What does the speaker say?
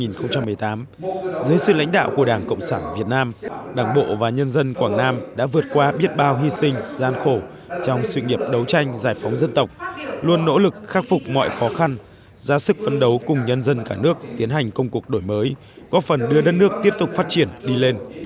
năm hai nghìn một mươi tám dưới sự lãnh đạo của đảng cộng sản việt nam đảng bộ và nhân dân quảng nam đã vượt qua biết bao hy sinh gian khổ trong sự nghiệp đấu tranh giải phóng dân tộc luôn nỗ lực khắc phục mọi khó khăn ra sức phấn đấu cùng nhân dân cả nước tiến hành công cuộc đổi mới góp phần đưa đất nước tiếp tục phát triển đi lên